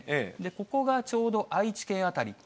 ここがちょうど愛知県辺り。